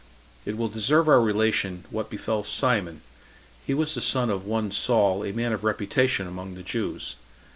It will deserve our relation what befell Simon; he was the son of one Saul, a man of reputation among the Jews.